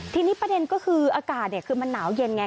ทีนี้ประเด็นก็คืออากาศคือมันหนาวเย็นไง